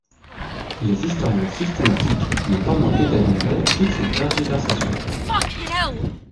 Les historiens systématiques n'ont pas manqué d'admirer toutes ces tergiversations.